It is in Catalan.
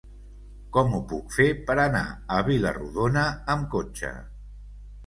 Com ho puc fer per anar a Vila-rodona amb cotxe?